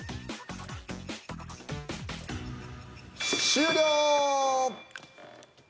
終了。